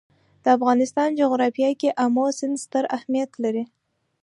د افغانستان جغرافیه کې آمو سیند ستر اهمیت لري.